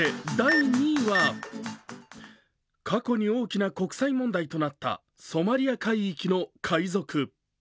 過去に大きな国際問題となったソマリア海域の海賊。